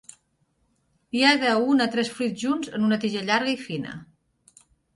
Hi ha de un a tres fruits junts en una tija llarga i fina.